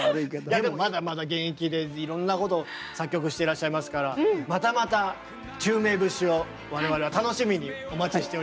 いやでもまだまだ現役でいろんなこと作曲していらっしゃいますからまたまた宙明節を我々は楽しみにお待ちしております。